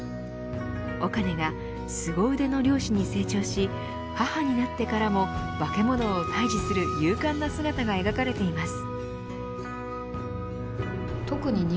おかねが凄腕の猟師に成長し母になってからも化け物を退治する勇敢な姿が描かれています。